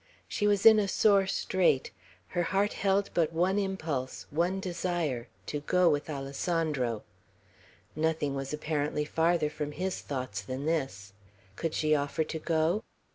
She was in a sore strait. Her heart held but one impulse, one desire, to go with Alessandro; nothing was apparently farther from his thoughts than this. Could she offer to go?